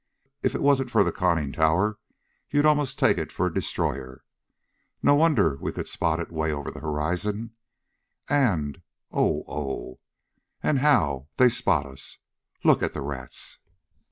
If it wasn't for the conning tower you'd almost take it for a destroyer. No wonder we could spot it way over on the horizon. And Oh oh! And how they spot us! Look at the rats!"